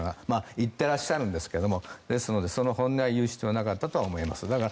言ってらっしゃるんですがですからその本音は言う必要はなかったと思います。